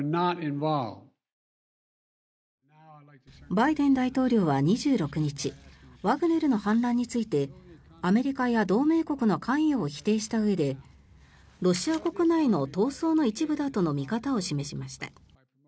バイデン大統領は２６日ワグネルの反乱についてアメリカや同盟国の関与を否定したうえでロシア国内の闘争の一部だとの見方を示しました。